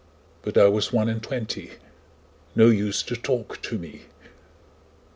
'But I was one and twenty, No use to talk to me.